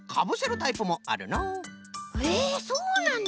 へえそうなんだ。